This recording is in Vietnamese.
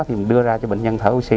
thì mình đưa ra cho bệnh nhân thở oxy